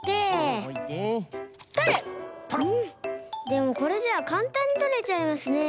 でもこれじゃかんたんにとれちゃいますね。